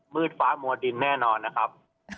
ฟ้ามัวดินแน่นอนนะครับ